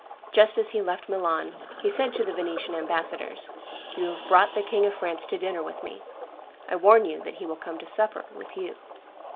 Just as he left Milan, he said to the Venetian ambassadors, "You have brought the King of France to dinner with me; I warn you that he will come to supper with you."